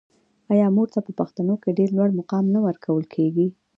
آیا مور ته په پښتنو کې ډیر لوړ مقام نه ورکول کیږي؟